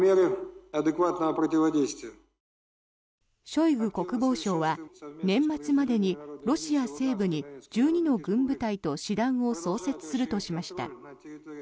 ショイグ国防相は年末までにロシア西部に１２の軍部隊と師団を創設するとしました。